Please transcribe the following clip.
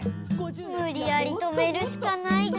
むりやりとめるしかないか。